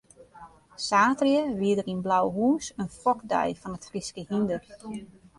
Saterdei wie der yn Blauhûs in fokdei fan it Fryske hynder.